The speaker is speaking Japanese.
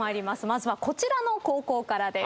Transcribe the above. まずはこちらの高校からです。